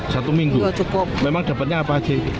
satu minggu memang dapatnya apa aja